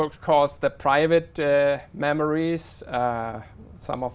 tôi cảm thấy rất yên tĩnh ở đây